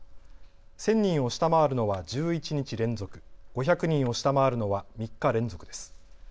１０００人を下回るのは１１日連続、５００人を下回るのは３日連続です。